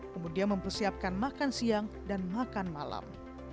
kemudian mempersiapkan makan siang dan makan malam